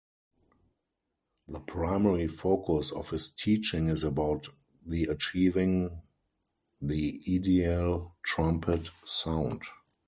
The primary focus of his teaching is about the achieving the ideal trumpet sound.